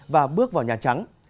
và bước vào nhà trắng